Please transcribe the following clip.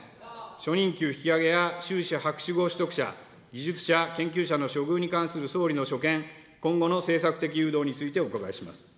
初任給引き上げや修士・博士号取得者、技術者・研究者の処遇に関する総理の所見、今後の政策的誘導についてお伺いします。